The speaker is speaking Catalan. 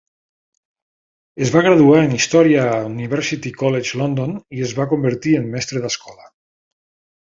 Es va graduar en Història a University College London i es va convertir en mestre d'escola.